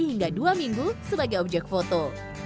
hingga dua minggu sebagai objek foto